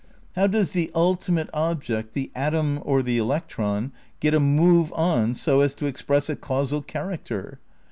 '' How does the ulti mate object, the atom or the electron, get a move on so as to express a causal character?